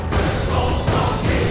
kalau gini tuanku baik